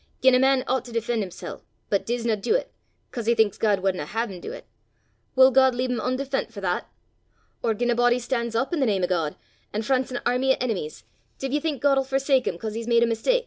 Gien a man oucht to defen' himsel', but disna du 't, 'cause he thinks God wadna hae him du 't, wull God lea' him oondefent for that? Or gien a body stan's up i' the name o' God, an' fronts an airmy o' enemies, div ye think God 'ill forsake him 'cause he's made a mistak?